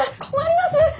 困ります！